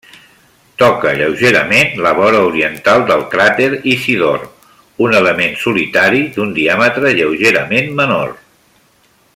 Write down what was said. Toca lleugerament la vora oriental del cràter Isidor, un element solitari d'un diàmetre lleugerament menor.